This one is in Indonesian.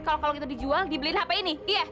kalau itu dijual dibeliin hp ini